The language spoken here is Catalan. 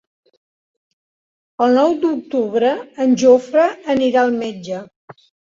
El nou d'octubre en Jofre anirà al metge.